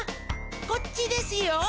こっちですよ。